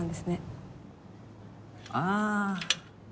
ああ。